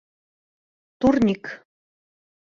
ТУРНИК